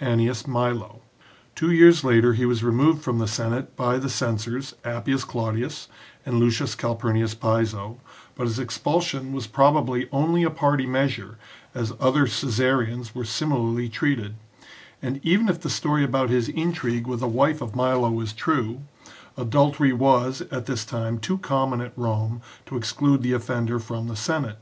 Annius Milo. Two years later he was removed from the Senate by the censors, Appius Claudius, and Lucius Calpurnius Piso, but his expul sion was probably only a party measure, as other Caesarians were similarly treated, and even if the story about his intrigue with the wife of Milo is true, adul tery was at this time too common at Rome to exclude the offender from the Senate.